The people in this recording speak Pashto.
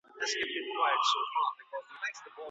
لاجورد بې رنګه نه دي.